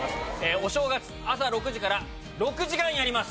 お正月あさ６時から６時間やります！